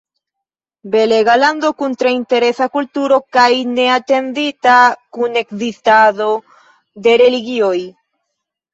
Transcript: Belega lando kun tre interesa kulturo kaj neatendita kunekzistado de religioj.